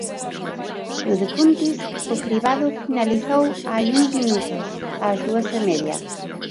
No de Cuntis o cribado finalizou hai uns minutos, ás dúas e media.